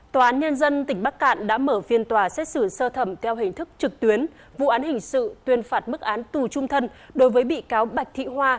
tòa án nhân dân tỉnh bắc cạn đã mở phiên tòa xét xử sơ thẩm theo hình thức trực tuyến vụ án hình sự tuyên phạt mức án tù trung thân đối với bị cáo bạch thị hoa